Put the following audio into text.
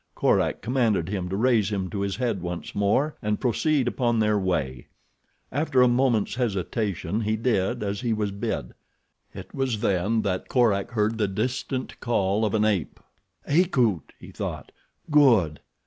Korak commanded him to raise him to his head once more and proceed upon their way. After a moment's hesitation he did as he was bid. It was then that Korak heard the distant call of an ape. "Akut!" he thought. "Good!